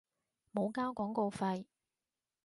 冇交廣告費